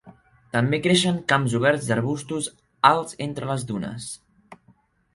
També creixen camps oberts d'arbustos alts entre les dunes.